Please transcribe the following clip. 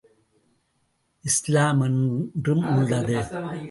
இஸ்லாம் என்றும் உள்ளது.